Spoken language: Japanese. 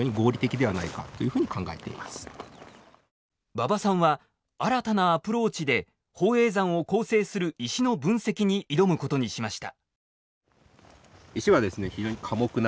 馬場さんは新たなアプローチで宝永山を構成する石の分析に挑むことにしました。